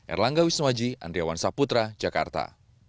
erlangga wisnuaji andriawan saputra jakarta